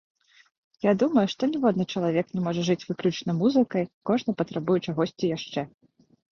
Я думаю, што ніводны чалавек не можа жыць выключна музыкай, кожны патрабуе чагосьці яшчэ.